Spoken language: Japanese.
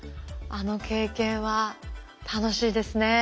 あの経験は楽しいですね。